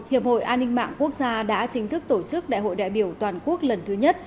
hiệp hội an ninh mạng quốc gia đã chính thức tổ chức đại hội đại biểu toàn quốc lần thứ nhất